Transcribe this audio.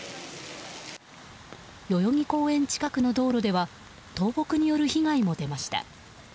代々木公園近くの道路では倒木による被害も出ました。